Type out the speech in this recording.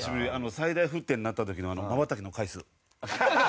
最大沸点になった時のあのまばたきの回数。